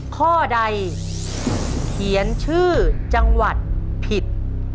ข้อใดเขียนชื่อจังหวัดผิด